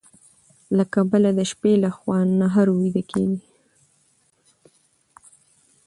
له کبله د شپې لخوا نهر ويده کيږي.